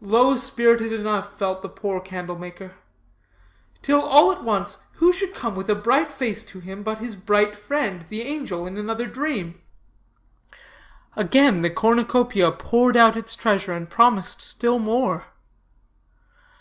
Low spirited enough felt the poor candle maker; till all at once who should come with a bright face to him but his bright friend, the angel, in another dream. Again the cornucopia poured out its treasure, and promised still more.